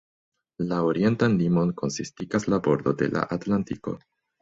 La orientan limon konsistigas la bordo de la Atlantiko.